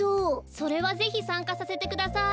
それはぜひさんかさせてください。